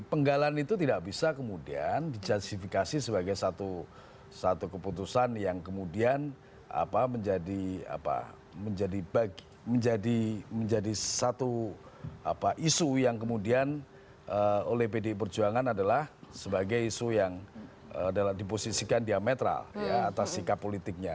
penggalan itu tidak bisa kemudian dicertifikasi sebagai satu keputusan yang kemudian menjadi satu isu yang kemudian oleh pd perjuangan adalah sebagai isu yang diposisikan diametral atas sikap politiknya